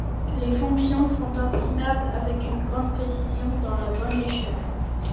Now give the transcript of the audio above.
Les fonctions sont imprimables avec une grande précision dans la bonne échelle.